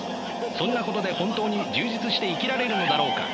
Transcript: そんなことで本当に充実して生きられるのだろうか。